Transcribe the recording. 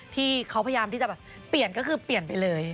ที่เขาพยายามที่จะแบบเปลี่ยนก็คือเปลี่ยนไปเลย